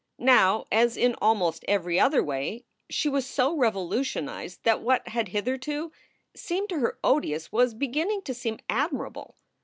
Now, as in almost every other way, she was so revolutionized that what had hitherto seemed to her odious was beginning to seem admirable.